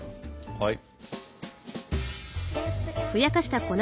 はい。